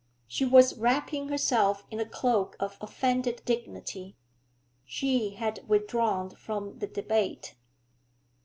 She was wrapping herself in a cloak of offended dignity; she had withdrawn from the debate.